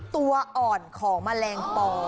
ตัวอ่อนของแมลงปอ